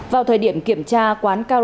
vào thời điểm kiểm tra quán karaoke